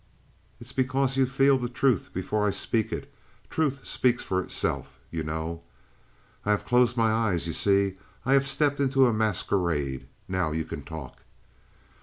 "It's because you feel the truth before I speak it. Truth speaks for itself, you know." "I have closed my eyes you see? I have stepped into a masquerade. Now you can talk."